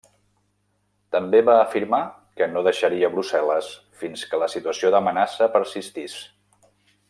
També va afirmar que no deixaria Brussel·les fins que la situació d'amenaça persistís.